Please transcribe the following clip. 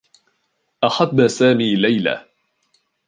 أحبّ سامي ليلى.